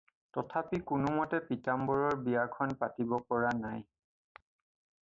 তথাপি কোনোমতে পীতাম্বৰৰ বিয়াখন পাতিব পৰা নাই।